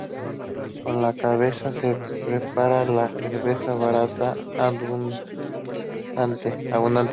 Con la cebada se preparaba la cerveza, barata y abundante.